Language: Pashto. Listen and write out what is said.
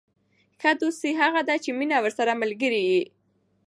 ښه دوستي هغه ده، چي مینه ورسره ملګرې يي.